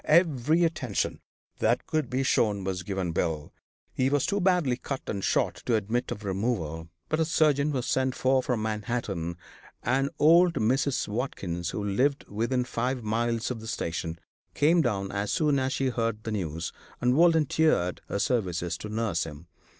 Every attention that could be shown was given Bill. He was too badly cut and shot to admit of removal, but a surgeon was sent for from Manhattan, and old Mrs. Watkins, who lived within five miles of the station, came down as soon as she heard the news, and volunteered her services to nurse him.